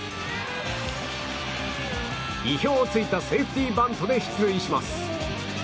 意表を突いたセーフティーバントで出塁します。